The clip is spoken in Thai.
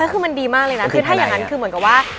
คือมันดีมากเลยนะคือถ้าอย่างนั้นคือเหมือนกับว่า